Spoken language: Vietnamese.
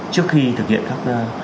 trước khi thực hiện các